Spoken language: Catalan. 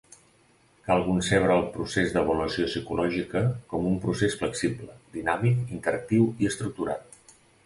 Cal concebre al procés d'avaluació psicològica com un procés flexible, dinàmic, interactiu i estructurat.